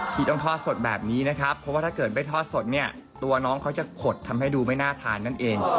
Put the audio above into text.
ที่ต้องทอดสดแบบนี้นะครับเพราะว่าถ้าเกิดไม่ทอดสดเนี่ยตัวน้องเขาจะขดทำให้ดูไม่น่าทานนั่นเอง